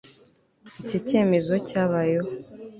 icyo cyemezo cyabayeho